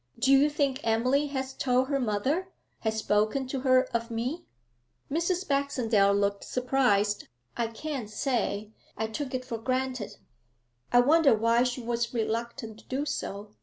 'Do you think Emily has told her mother has spoken to her of me?' Mrs. Baxendale looked surprised. 'I can't say; I took it for granted.' 'I wonder why she was reluctant to do so?'